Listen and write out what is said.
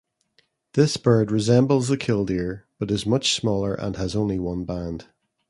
This bird resembles the killdeer but is much smaller and has only one band.